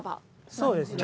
そうですね。